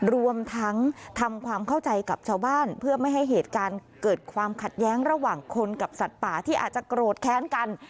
รวมทั้งทำความเข้าใจกับชาวบ้านเพื่อไม่ให้เหตุการณ์เกิดความขัดแย้งระหว่างคนกับสัตว์ป่าที่อาจจะโกรธแค้นกัน